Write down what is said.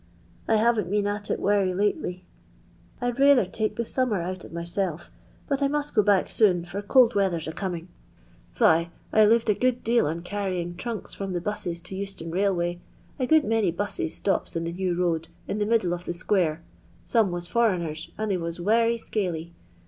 I baven*t been at it werry lately. I 've rayther taken the summer out of myself, but I must go back soon, for cold weather 's a coming. Vy, I lived a good deal on carrying trunks from the bosses to Boston Railway ; a good many busses atops in the New road, in the middle of the •quare. Some ^ as foreigners, and they was werry inly.